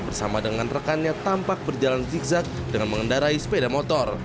bersama dengan rekannya tampak berjalan zigzag dengan mengendarai sepeda motor